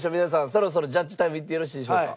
そろそろジャッジタイムいってよろしいでしょうか。